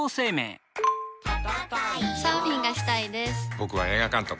僕は映画監督。